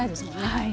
はい。